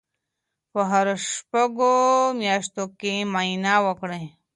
په هرو شپږو میاشتو کې معاینه وکړئ.